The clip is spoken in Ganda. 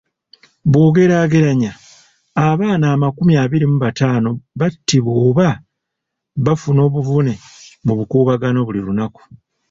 Bw'ogeraageranya, abaana amakumi abiri mu bataano battibwa oba bafuna obuvune mu bukuubagano buli lunaku.